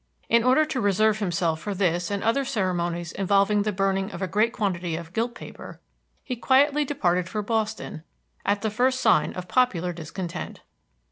In order to reserve himself for this and other ceremonies involving the burning of a great quantity of gilt paper, he quietly departed for Boston at the first sign of popular discontent.